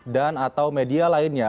dan atau media lainnya